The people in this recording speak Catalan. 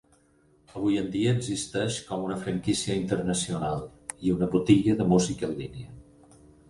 Avui en dia existeix com una franquícia internacional i una botiga de música en línia.